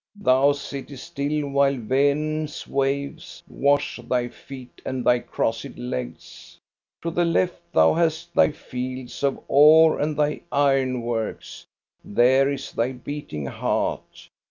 Thou sittest still, while Vanern's waves wash thy feet and thy crossed legs. To the left thou hast thy fields of ore and thy iron PATRON JULIUS 327 works. There is thy beating heart.